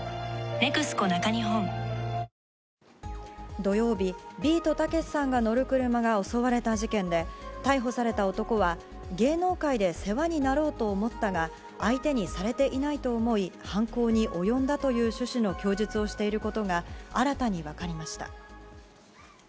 土曜日ビートたけしさんが乗る車が襲われた事件で逮捕された男は、芸能界で世話になろうと思ったが相手にされていないと思い、犯行に及んだという趣旨の供述をしていることが新たに分かりました。